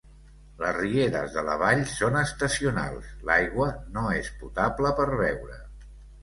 Les rieres de la vall són estacionals, l'aigua no és potable per beure.